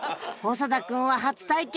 細田君は初体験！